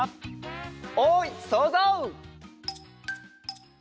おいそうぞう！